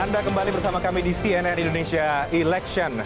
anda kembali bersama kami di cnn indonesia election